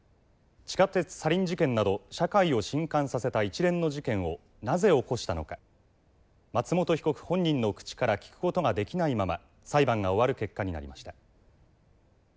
地下鉄サリン事件など社会を震撼させた一連の事件をなぜ起こしたのか松本被告本人の口から聞く事ができないまま裁判が終わる結果になりました。